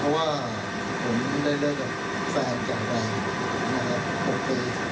เพราะว่าผมได้เลิกกับแฟนจากกันนะครับ๖คน